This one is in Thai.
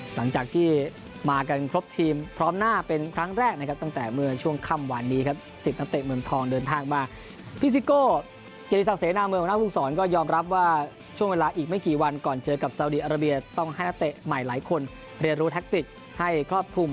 หลังจากที่มากันครบทีมพร้อมหน้าเป็นครั้งแรกนะครับตั้งแต่เมื่อช่วงข้ำหวานนี้ครับ